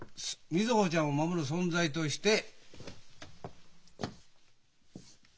瑞穂ちゃんを守る存在として。